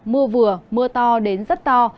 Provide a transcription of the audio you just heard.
mưa vừa mưa to đến rất to